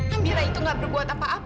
amira itu enggak berbuat apa apa